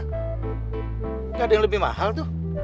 nggak ada yang lebih mahal tuh